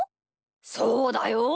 そうだよ。